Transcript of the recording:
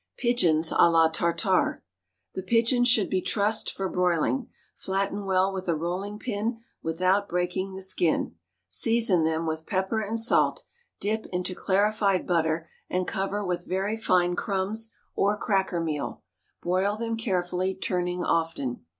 Pigeons à la Tartare. The pigeons should be trussed for broiling; flatten well with a rolling pin without breaking the skin, season them with pepper and salt, dip into clarified butter and cover with very fine crumbs or cracker meal. Broil them carefully, turning often.